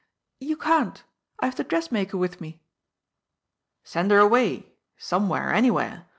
" You can't. I have the dressmaker with me." " Send her away, somewhere, anywhere.